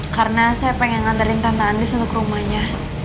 karena saya pengen ngantarin tante andis ke rumahnya